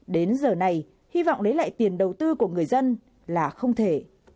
đến giờ này hy vọng lấy lại tiền đầu tư của người dân là không thể